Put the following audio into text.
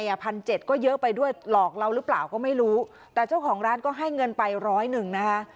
พันเจ็ดก็เยอะไปด้วยหลอกเราหรือเปล่าก็ไม่รู้แต่เจ้าของร้านก็ให้เงินไปร้อยหนึ่งนะคะ